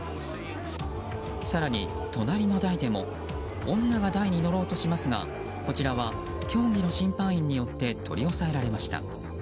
更に隣の台でも女が台に乗ろうとしますがこちらは競技の審判員によって取り押さえられました。